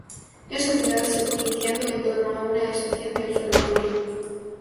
Esta ciudad se fue iniciando en torno a una estación del ferrocarril.